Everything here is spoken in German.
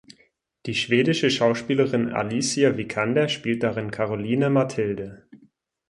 Die schwedische Schauspielerin Alicia Vikander spielt darin Caroline Mathilde.